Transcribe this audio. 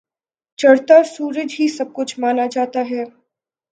چڑھتا سورج ہی سب کچھ مانا جاتا ہے۔